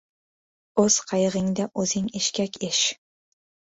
• O‘z qayig‘ingda o‘zing eshkak esh.